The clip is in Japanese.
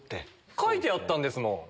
書いてあったんですもん。